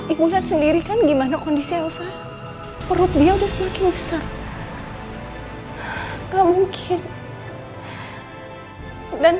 ibu lihat sendiri kan gimana kondisi elsa perut dia udah semakin besar gak mungkin dan saya saya udah gak ada di sini lagi